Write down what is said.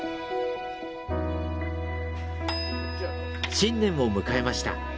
新年を迎えました。